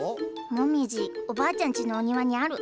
もみじおばあちゃんちのお庭にある。